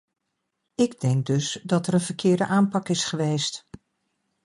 Ik denk dus dat er een verkeerde aanpak is geweest.